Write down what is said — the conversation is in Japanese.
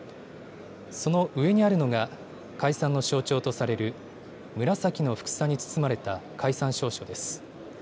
その上にあるのが、解散の象徴とされる、紫のふくさに包まれた解散詔書です。